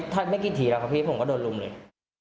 ไม่กี่ทีแล้วครับพี่ผมก็โดนรุมเลย